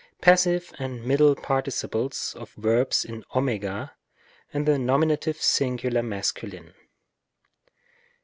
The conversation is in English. Passive and middle participles of verbs in ὦ, in the nominative singular masculine.